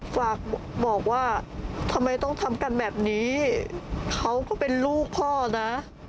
ฝากบอกว่าทำไมต้องทำกันแบบนี้เขาก็เป็นลูกพ่อนะ